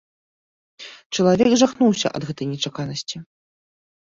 Чалавек жахнуўся ад гэтай нечаканасці.